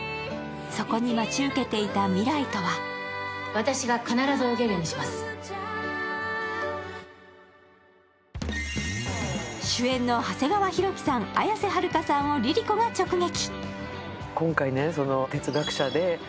そこに待ち受けていた未来とは主演の長谷川博己さん、綾瀬はるかさんをＬｉＬｉＣｏが直撃。